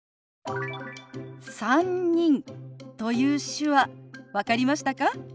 「３人」という手話分かりましたか？